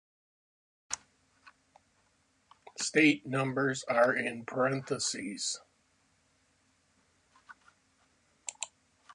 Station numbers are in parentheses.